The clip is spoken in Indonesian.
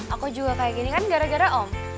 aku juga kayak gini kan gara gara om